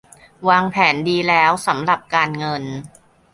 วางแผนดีแล้วสำหรับการเงิน